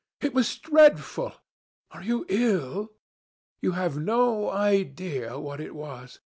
It was dreadful. Are you ill? You have no idea what it was.